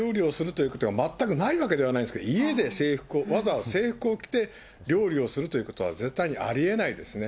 制服の状態で料理をするということは全くないわけではないですけど、家で制服を、わざわざ制服を着て、料理をするということは、絶対にありえないですね。